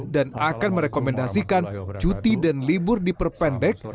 dan akan merekomendasikan cuti dan libur diperpendek